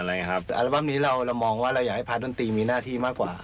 อัลบั้มนี้เรามองว่าเราอยากให้พระดนตรีมีหน้าที่มากกว่า